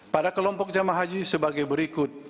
pada kelompok jamaah haji sebagai berikut